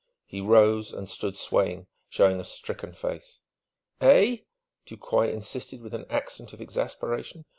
He rose and stood swaying, showing a stricken face. "Eh?" Ducroy insisted with an accent of exasperation.